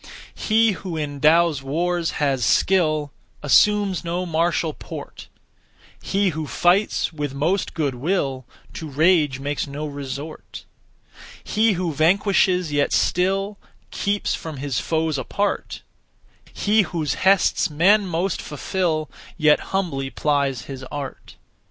He who in (Tao's) wars has skill Assumes no martial port; He who fights with most good will To rage makes no resort. He who vanquishes yet still Keeps from his foes apart; He whose hests men most fulfil Yet humbly plies his art.